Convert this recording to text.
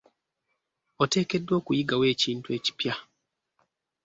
Oteekeddwa okuyigawo ekintu ekipya.